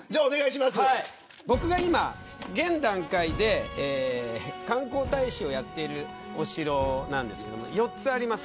僕が今、現段階で観光大使をやっているお城なんですけど４つあります。